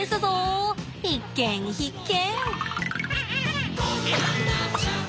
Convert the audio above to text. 必見必見！